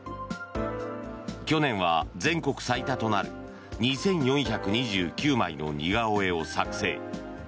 去年は全国最多となる２４２９枚の似顔絵を作成。